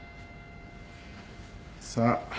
さあ？